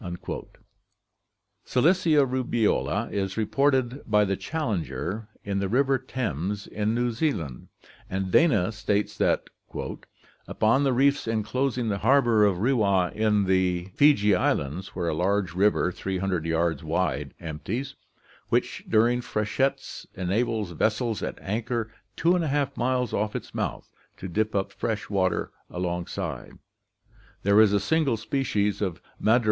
58 ORGANIC EVOLUTION Cilicia rubeola is reported by the 'Challenger* in the river Thames in New Zealand; and Dana states that 'upon the reefs enclosing the harbor of Rewa [Fiji Islands], where a large river, 300 yards wide, empties, which during freshets enables vessels at anchor 2% miles off its mouth to dip up fresh water alongside, there is a single species of Madrepora (M.